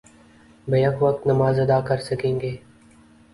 back وقت نماز ادا کر سکیں گے